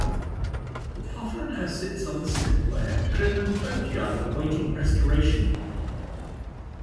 The puffer now sits on the slip way at Crinan boatyard awaiting restoration.